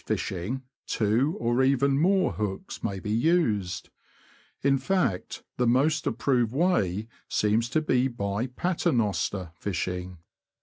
303 fishing, two, or even more, hooks may be used ; in fact, the most approved way seems to be by '' pater noster " fishing.